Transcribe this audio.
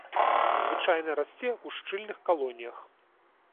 Звычайна расце ў шчыльных калоніях.